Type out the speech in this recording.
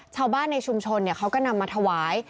ชาวบ้านในชุมชนเขาก็นำมาถวาย